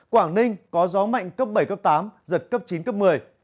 quảng ninh có gió mạnh cấp bảy cấp tám giật cấp chín cấp một mươi